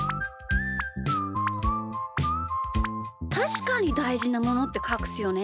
たしかにだいじなものってかくすよね。